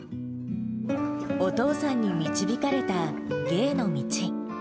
お父さんに導かれた芸の道。